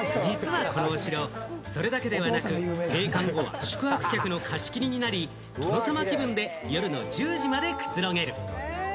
実はこのお城、それだけではなく、閉館後、宿泊客の貸し切りになり、殿様気分で夜の１０時までくつろげる。